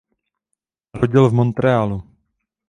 Narodil v Montréalu.